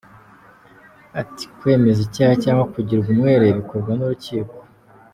Ati “ kwemezwa icyaha cyangwa kugirwa umwere bikorwa n’urukiko.